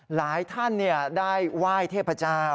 หลายท่านได้ไหว้เทพเจ้า